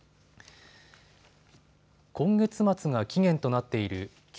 今月末が期限となっている９